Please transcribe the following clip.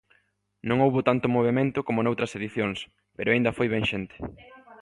Non houbo tanto movemento coma noutras edicións, pero aínda foi ben xente.